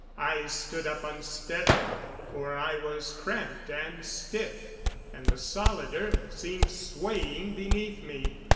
I stood up unsteadily, for I was cramped and stiff, and the solid earth seemed swaying beneath me.